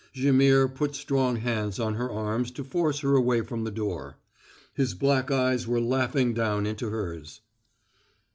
Jaimihr put strong hands on her arms to force her away from the door. His black eyes were laughing down into hers.